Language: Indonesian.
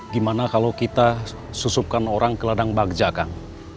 gimana kalau kita susupkan orang ke ladang bagja kang